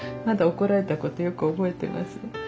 まだ怒られたことよく覚えてますね。